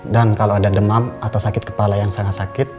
dan kalo ada demam atau sakit kepala yang sangat sakit